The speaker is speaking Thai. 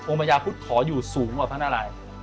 องค์พระยาคุฑขออยู่สูงกว่าพระนารายย์